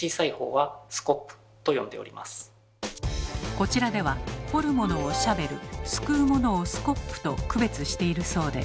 こちらでは掘るものをシャベルすくうものをスコップと区別しているそうで。